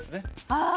ああ。